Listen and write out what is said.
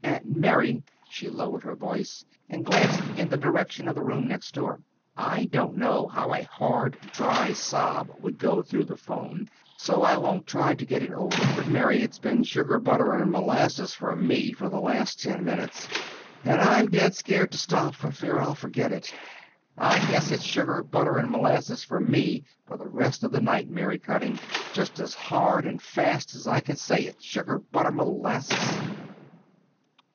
And, Mary," she lowered her voice and glanced in the direction of the room next door, "I don't know how a hard, dry sob would go through the 'phone, so I won't try to get it over. But, Mary, it's been 'sugar, butter, and molasses' for me for the last ten minutes, and I'm dead scared to stop for fear I'll forget it. I guess it's 'sugar, butter, and molasses' for me for the rest of the night, Mary Cutting; just as hard and fast as I can say it, 'sugar, butter, molasses.'"